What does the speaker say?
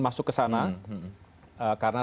masuk ke sana karena